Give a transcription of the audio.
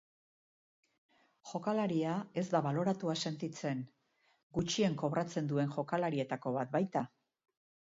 Jokalaria ez da baloratuta sentitzen, gutxien kobratzen duen jokalarietako bat baita.